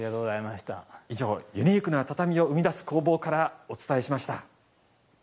以上ユニークな畳を生み出す工房からお伝えしました。